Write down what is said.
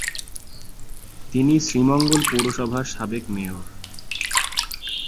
তিনি শ্রীমঙ্গল পৌরসভার সাবেক মেয়র।